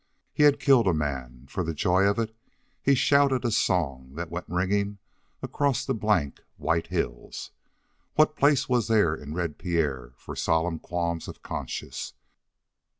He had killed a man. For the joy of it he shouted a song that went ringing across the blank, white hills. What place was there in Red Pierre for solemn qualms of conscience?